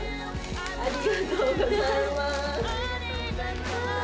ありがとうございます。